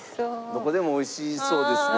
どこでもおいしそうですね。